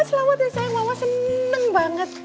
selamat ya sayang lama seneng banget